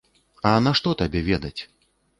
А нашто табе ведаць?